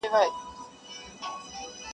لا ایله وه رسېدلې تر بازاره-